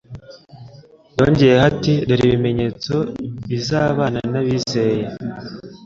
yongeyeho ati : «dore ibimenyetso bizabana n'abizeye,